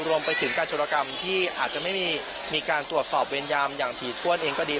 รวมไปถึงการโจรกรรมที่อาจจะไม่มีการตรวจสอบเวรยามอย่างถี่ถ้วนเองก็ดี